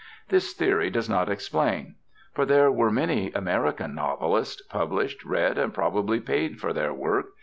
This theory does not explain. For there were many American novelists, published, read, and probably paid for their work.